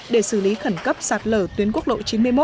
để xử lý khẩn cấp sạt lở tuyến quốc lộ chín mươi một